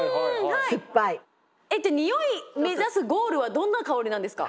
えっじゃあにおい目指すゴールはどんな香りなんですか？